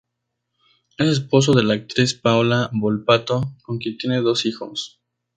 Es esposo de la actriz Paola Volpato, con quien tiene dos hijos.